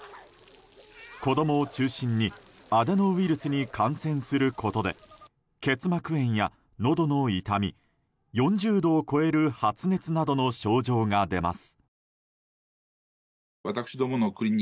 子供を中心にアデノウイルスに感染することで結膜炎やのどの痛み４０度を超える発熱などの症状が出ます。